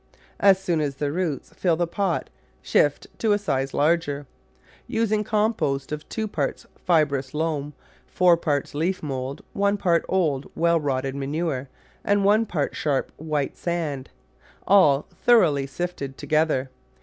As soon as the roots fill the pots shift to a size larger, using compost of two parts fibrous loam, four parts leaf mould, one part old, well rotted manure, and one part sharp white sand, all thoroughly sifted together.